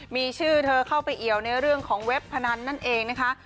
มีชื่อเธอเข้าไปเอี่ยวในเรื่องของเว็บพนันนั่นเองนะคะ